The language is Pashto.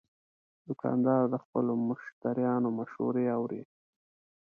دوکاندار د خپلو مشتریانو مشورې اوري.